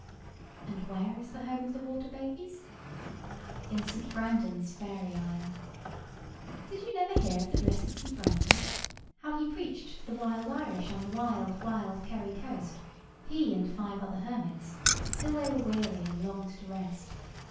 And where is the home of the water babies? In St. Brandan's fairy isle. Did you never hear of the blessed St. Brandan, how he preached to the wild Irish on the wild, wild Kerry coast, he and five other hermits, till they were weary and longed to rest?